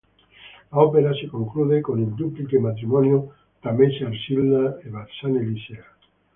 L'opera si conclude con il duplice matrimonio Tamese-Arsilda e Barzane-Lisea.